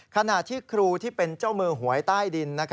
ขณะที่ครูที่เป็นเจ้ามือหวยใต้ดิน